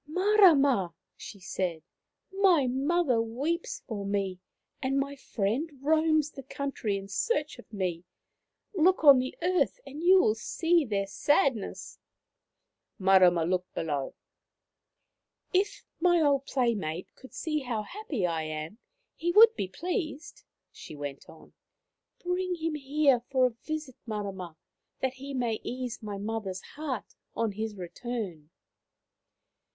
144 Maoriland Fairy Tales " Marama," she said, " my mother weeps for me, and my friend roams the country in search of me. Look on the earth and you will see their sadness." | Marama looked below. " If my old playmate could see how happy I am he would be pleased," she went on. " Bring him here for a visit, Marama, that he may ease my mother's heart on his return."